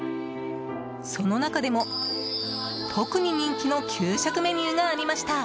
その中でも、特に人気の給食メニューがありました。